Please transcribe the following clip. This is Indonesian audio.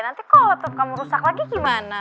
nanti kok otot kamu rusak lagi gimana